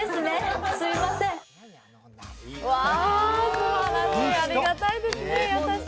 すばらしい、ありがたいですね。